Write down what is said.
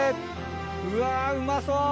うわうまそう！